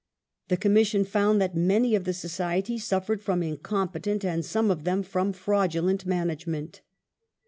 The Commission found that many of the Societies suffered from incompetent and some of them from fraudulent management.